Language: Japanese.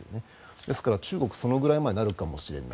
ですから中国、そのぐらいまでなるかもしれない。